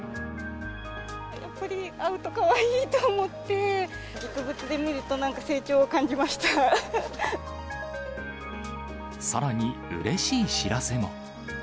やっぱり会うとかわいいと思って、実物で見ると、なんか成長さらにうれしい知らせも。